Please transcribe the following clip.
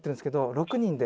６人で」